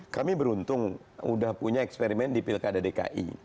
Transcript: kami beruntung sudah punya eksperimen di pilkada dki